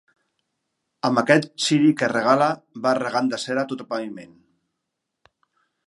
Amb aquest ciri que regala vas regant de cera tot el paviment.